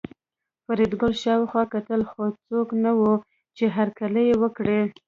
فریدګل شاوخوا کتل خو څوک نه وو چې هرکلی یې وکړي